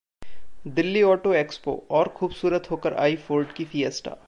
Delhi auto expo: और खूबसूरत होकर आई फोर्ड की फिएस्टा